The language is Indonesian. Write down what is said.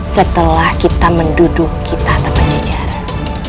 setelah kita menduduk kita tanpa jajaran